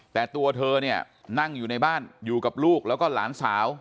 แต่ตัวเธอเนี่ยนั่งอยู่ในบ้านอยู่กับลูกแล้วก็หลานสาว